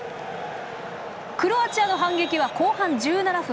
クロアチアの反撃は、後半１７分。